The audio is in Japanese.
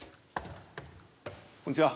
こんちは。